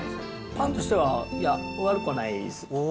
パンとしては悪くはないです。